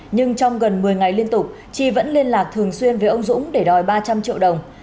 nhưng trong gần một mươi ngày liên tục chi vẫn liên lạc thường xuyên với ông dũng để đòi ba trăm linh triệu đồng